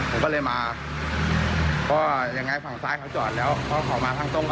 ผมก็เลยมาเพราะยังไงฝั่งซ้ายเขาจอดแล้วเขามาข้างตรง